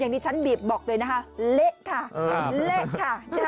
ที่ฉันบีบบอกเลยนะคะเละค่ะเละค่ะ